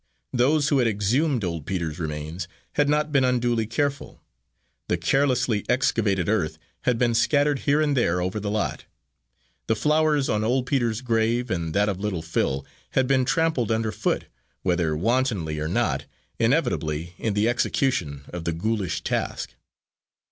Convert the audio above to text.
Those who had exhumed old Peter's remains had not been unduly careful. The carelessly excavated earth had been scattered here and there over the lot. The flowers on old Peter's grave and that of little Phil had been trampled under foot whether wantonly or not, inevitably, in the execution of the ghoulish task.